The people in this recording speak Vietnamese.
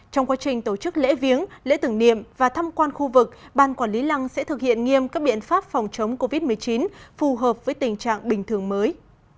trong quá trình tổ chức lễ viếng lễ tưởng niệm và thăm quan khu vực ban quản lý lăng sẽ thực hiện nghiêm các biện pháp phòng chống covid một mươi chín phù hợp với tình trạng bình thường mới